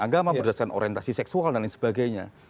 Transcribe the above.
agama berdasarkan orientasi seksual dan lain sebagainya